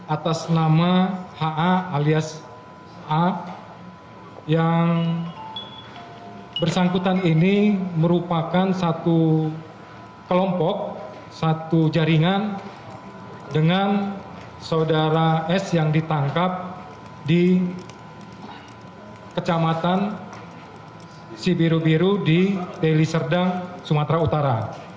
atas nama ha alias a yang bersangkutan ini merupakan satu kelompok satu jaringan dengan saudara s yang ditangkap di kecamatan sibiru biru di deliserda sumatera utara